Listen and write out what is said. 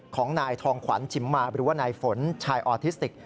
ของนายทองขวัญชิมมาหรือว่านายฝนชายออทิสติก